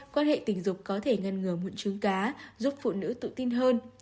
quan hệ tình dục có thể ngăn ngừa mụn trứng cá giúp phụ nữ tự tin hơn